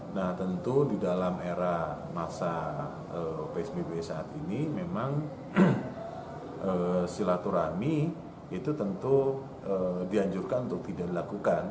nah tentu di dalam era masa psbb saat ini memang silaturahmi itu tentu dianjurkan untuk tidak dilakukan